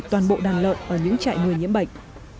toàn bộ đàn lợn ở những trại người nhiễm bệnh